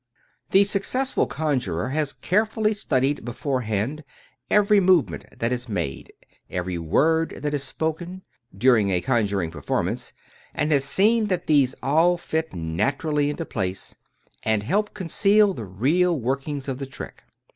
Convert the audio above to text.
The successful conjurer has carefully studied before hand every movement that is made — every word that is spoken — during a conjuring performance, and has seen that these all fit naturally into place, and help conceal the real workings of the trick.